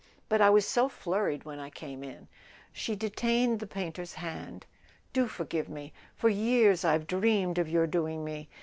But I was so flurried when I came in." She detained the painter's hand. "Do forgive me ! For years I've dreamed of your doing me